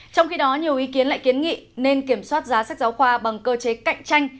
trong khi đó nhiều ý kiến lại kiến nghị nên kiểm soát giá sách giáo khoa bằng cơ chế cạnh tranh